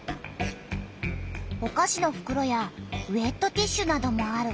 おかしのふくろやウエットティッシュなどもある。